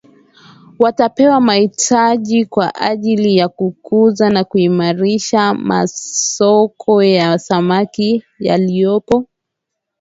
Watapewa mahitaji kwa ajili ya kukuza na kuimarisha masoko ya samaki yaliyopo